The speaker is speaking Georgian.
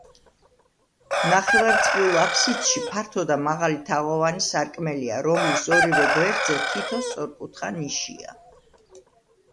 ნახევარწრიულ აფსიდში ფართო და მაღალი თაღოვანი სარკმელია, რომლის ორივე გვერდზე თითო სწორკუთხა ნიშია.